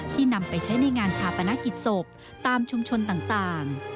นำไปใช้ในงานชาปนกิจศพตามชุมชนต่าง